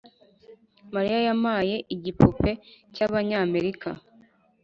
Mariya yampaye igipupe cyabanyamerika